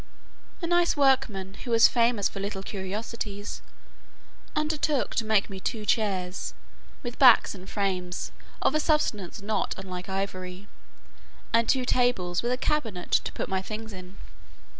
A nice workman, who was famous for little curiosities, undertook to make me two chairs, with backs and frames, of a substance not unlike ivory, and two tables, with a cabinet to put my things in.